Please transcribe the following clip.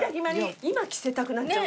今着せたくなっちゃう。